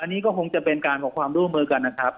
อันนี้ก็คงจะเป็นการบอกความร่วมมือกันนะครับ